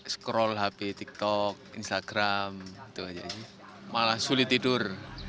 scroll hp tiktok instagram malah sulit tidur